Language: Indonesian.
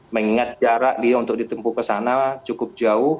mengingat jarak dia untuk ditempuh ke sana cukup jauh